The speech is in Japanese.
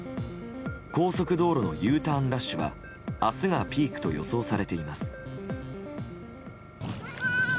高速道路のＵターンラッシュは明日がピークと予想されています。